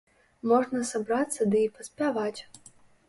Можна сабрацца ды і паспяваць.